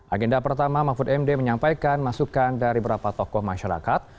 agenda pertama mahfud md menyampaikan masukan dari beberapa tokoh masyarakat